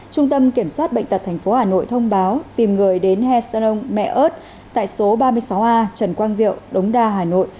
trung tâm kiểm soát bệnh tật tp hà nội thông báo tìm người đến hecron mẹ ớt tại số ba mươi sáu a trần quang diệu đống đa hà nội